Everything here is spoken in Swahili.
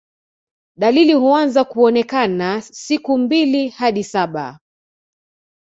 Dalili huanza kuonekana siku mbili hadi saba